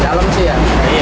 jalan sih ya